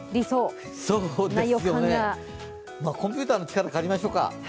そうですね、コンピューターの力借りましょうか。